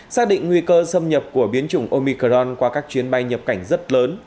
xác định nguy cơ xâm nhập của biến chủng omicron qua các chuyến bay nhập cảnh rất lớn